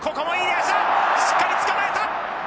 しっかりつかまえた！